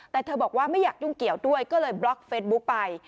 แต่เธอบอกว่าไม่อยากยุ่งเกี่ยวด้วยก็เลยบล็อกเฟซบุ๊กไป